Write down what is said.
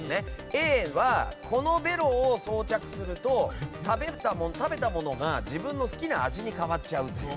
Ａはこのベロを装着すると食べたものが自分の好きな味に変わっちゃうという。